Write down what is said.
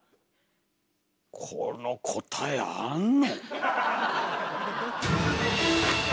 この答えあんの？